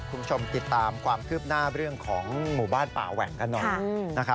คุณผู้ชมติดตามความคืบหน้าเรื่องของหมู่บ้านป่าแหว่งกันหน่อยนะครับ